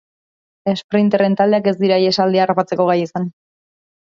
Esprinterren taldeak ez dira ihesaldia harrapatzeko gai izan.